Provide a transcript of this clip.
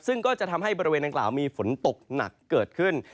ซึ่งก็จะทำให้บริเวณดังกล่าวมีฝนตกหนักเกิดขึ้น